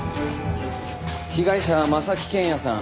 被害者は征木健也さん。